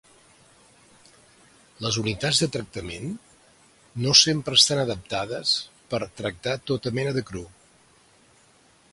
Les unitats de tractament no sempre estan adaptades per tractar tota mena de cru.